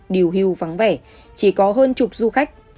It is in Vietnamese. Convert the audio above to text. điều hưu vắng vẻ chỉ có hơn chục du khách